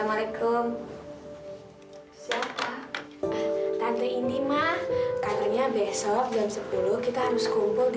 baik kalau begitu akan saya bacakan surat wasiat dari ibu widya